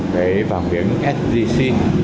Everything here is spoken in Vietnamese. về vàng miếng sgc